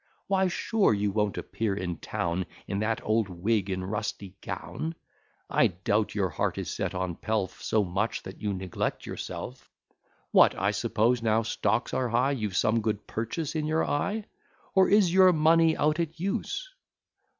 Why, sure you won't appear in town In that old wig and rusty gown? I doubt your heart is set on pelf So much that you neglect yourself. What! I suppose, now stocks are high, You've some good purchase in your eye? Or is your money out at use?"